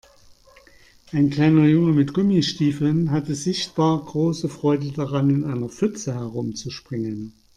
Ein kleiner Junge mit Gummistiefeln hatte sichtbar große Freude daran, in einer Pfütze herumzuspringen.